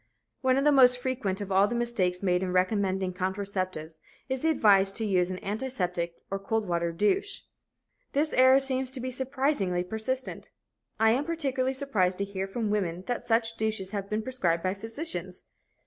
One of the most frequent of all the mistakes made in recommending contraceptives is the advice to use an antiseptic or cold water douche. This error seems to be surprisingly persistent. I am particularly surprised to hear from women that such douches have been prescribed by physicians.